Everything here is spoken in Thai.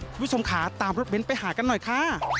คุณผู้ชมค่ะตามรถเบ้นไปหากันหน่อยค่ะ